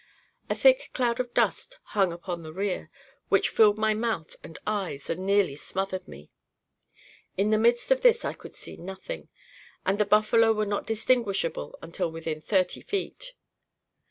A thick cloud of dust hung upon their rear, which filled my mouth and eyes, and nearly smothered me. In the midst of this I could see nothing, and the buffalo were not distinguishable until within thirty feet.